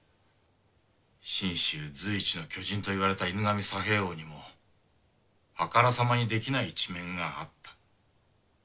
信州随一の巨人といわれた犬神佐兵衛翁にもあからさまにできない一面があった。